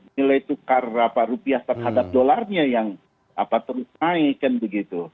nilai tukar rupiah terhadap dolarnya yang terus naik kan begitu